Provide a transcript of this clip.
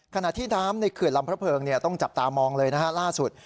ขณะที่น้ำในเขื่อนลำพระเพิงต้องจับตามองเลยนะฮะล่าสุด